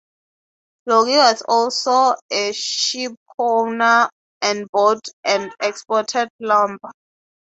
Loggie was also a shipowner and bought and exported lumber.